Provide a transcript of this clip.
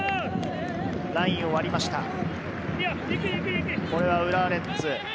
ラインを割りました。